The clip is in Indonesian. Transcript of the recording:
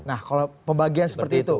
nah kalau pembagian seperti itu